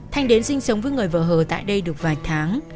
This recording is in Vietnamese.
thanh đến sinh sống với người vợ hờ tại đây được vài tháng